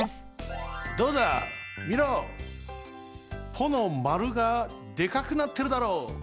「ぽ」のまるがでかくなってるだろう？